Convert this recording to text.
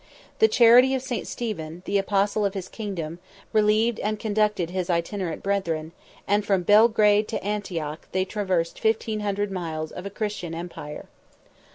The charity of St. Stephen, the apostle of his kingdom, relieved and conducted his itinerant brethren; 71 and from Belgrade to Antioch, they traversed fifteen hundred miles of a Christian empire.